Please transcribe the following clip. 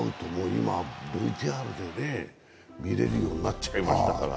今はＶＴＲで見れるようになっちゃいましたから。